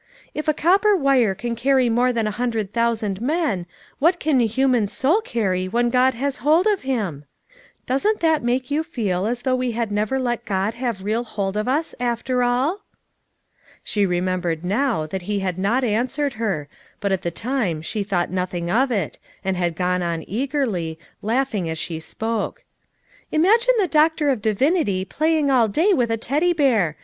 'If a copper wire can carry more than a hundred thousand men, what can a human soul carry when God has hold of him?' Doesn't that make you feel as though we had never let God have real hold of us, after all?" She remembered now that he had not an swered her, but at the time she thought nothing of it, and had gone on eagerly, laughing as she spoke. "Imagine the Doctor of Divinity playing all day with a Teddy bear!